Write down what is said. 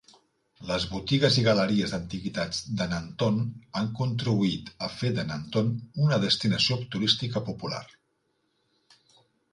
Les botigues i galeries d'antiguitats de Nanton han contribuït a fer de Nanton una destinació turística popular.